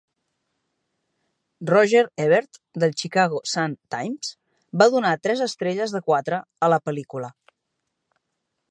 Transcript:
Roger Ebert del "Chicago Sun Times" va donar tres estrelles de quatre a la pel·lícula.